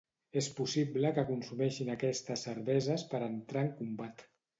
És possible que consumissin aquestes cerveses per a entrar en combat.